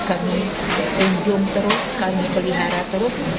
kami kunjung terus kami pelihara terus